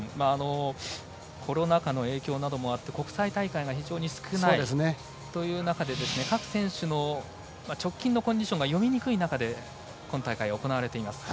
コロナ禍の影響などもあって、国際大会が非常に少ないという中で各選手の直近のコンディションが読みにくい中で今大会、行われています。